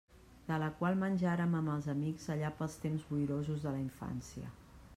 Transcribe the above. De la qual menjàrem amb els amics allà pels temps boirosos de la infància.